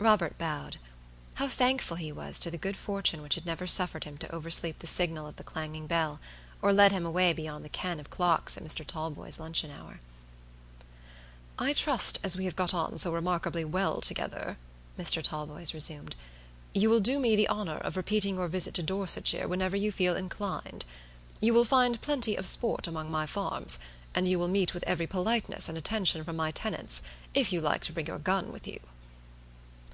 Robert bowed. How thankful he was to the good fortune which had never suffered him to oversleep the signal of the clanging bell, or led him away beyond the ken of clocks at Mr. Talboys' luncheon hour. "I trust as we have got on so remarkably well together," Mr. Talboys resumed, "you will do me the honor of repeating your visit to Dorsetshire whenever you feel inclined. You will find plenty of sport among my farms, and you will meet with every politeness and attention from my tenants, if you like to bring your gun with you."